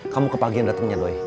kamu ke pagi yang datangnya doi